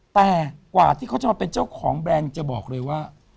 แต่กว่าที่เขาจะมาเป็นเจ้าของแบรนด์จะบอกเลยว่า